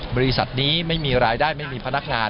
บริษัทนี้ไม่มีรายได้ไม่มีพนักงาน